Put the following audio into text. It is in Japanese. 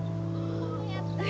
やったあ。